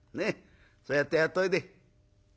そうやってやっといで」。